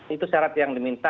itu syarat yang diminta